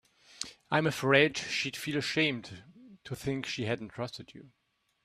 I'm afraid she'd feel ashamed to think she hadn't trusted you.